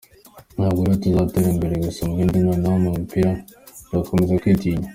Ntabwo rero tuzatera imbere gusa mu bindi noneho mu mupira tugakomeza kwitinya.